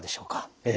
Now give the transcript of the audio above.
ええ。